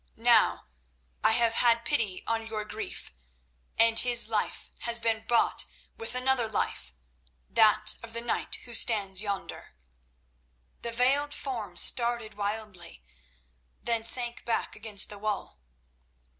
"Now I have had pity on your grief, and his life has been bought with another life, that of the knight who stands yonder." The veiled form started wildly, then sank back against the wall.